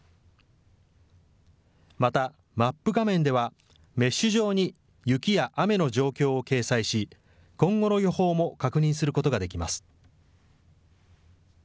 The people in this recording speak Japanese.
また、マップ画面ではメッシュ状に雪や雨の状況を掲載し、今後の予報も確認することができます。